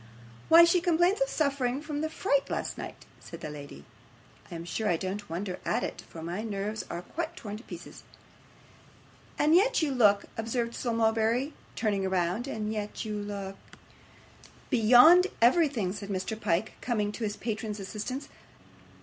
'Why, she complains of suffering from the fright of last night,' said the lady. 'I am sure I don't wonder at it, for my nerves are quite torn to pieces.' 'And yet you look,' observed Sir Mulberry, turning round; 'and yet you look ' 'Beyond everything,' said Mr. Pyke, coming to his patron's assistance.